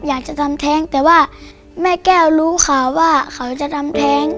อยากจะทำแท้งแต่ว่าแม่แก้วรู้ข่าวว่าเขาจะทำแท้ง